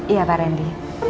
iya pak randy